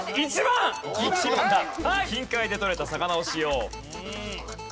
近海で獲れた魚を使用。